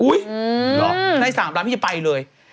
อุ๊ยได้๓ล้านที่จะไปเลย